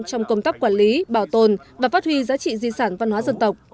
trong công tác quản lý bảo tồn và phát huy giá trị di sản văn hóa dân tộc